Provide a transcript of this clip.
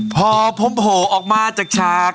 พอผมโผล่ออกมาจากฉาก